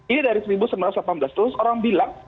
ini dari seribu sembilan ratus delapan belas terus orang bilang